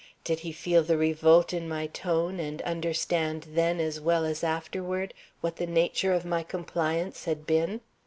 Did he feel the revolt in my tone and understand then as well as afterward what the nature of my compliance had been?